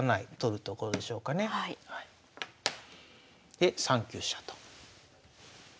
で３九飛車と。